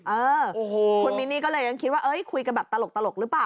เออคุณมินนี่ก็เลยยังคิดว่าคุยกันแบบตลกหรือเปล่า